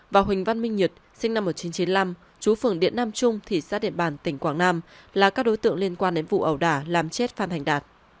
và huỳnh văn minh nhiệt sinh năm một nghìn chín trăm chín mươi năm chú phường điện nam trung thị xã điện bàn tỉnh quảng nam là các đối tượng liên quan đến vụ ẩu đả làm chết phan thành đạt